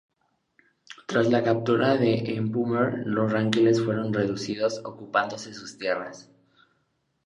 Tras la captura de Epumer, los ranqueles fueron reducidos, ocupándose sus tierras.